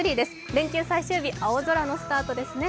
連休最終日、青空のスタートですね